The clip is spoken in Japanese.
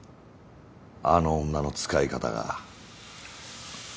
あの女の使い方が。